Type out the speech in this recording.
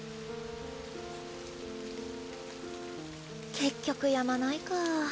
結局やまないか。